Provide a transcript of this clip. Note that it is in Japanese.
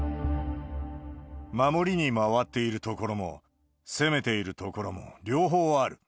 守りに回っている所も攻めている所も、両方ある。